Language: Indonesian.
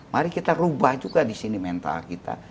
mari kita rubah juga disini mental kita